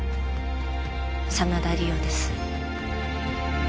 真田梨央です